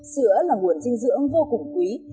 sữa là nguồn dinh dưỡng vô cùng quý